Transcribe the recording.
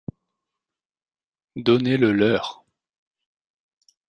Donnez-le leur.